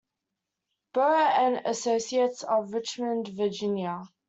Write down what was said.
Burr and Associates of Richmond, Virginia.